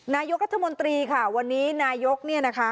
นายกรัฐมนตรีค่ะวันนี้นายกเนี่ยนะคะ